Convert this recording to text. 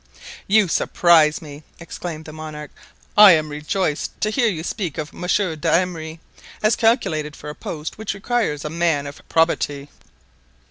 "You surprise me!" exclaimed the monarch. "I am rejoiced to hear you speak of Monsieur d'Emery as calculated for a post which requires a man of probity.